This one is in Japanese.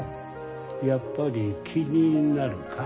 やっぱり気になるか？